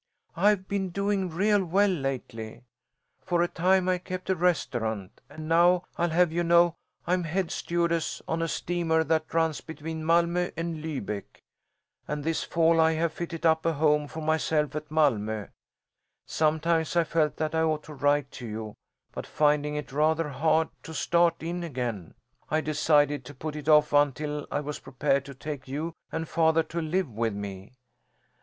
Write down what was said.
"I've been doing real well lately. For a time I kept a restaurant and now, I'll have you know, I'm head stewardess on a steamer that runs between Malmö and Lübeck, and this fall I have fitted up a home for myself at Malmö. Sometimes I felt that I ought to write to you, but finding it rather hard to start in again, I decided to put it off until I was prepared to take you and father to live with me.